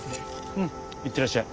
うん行ってらっしゃい。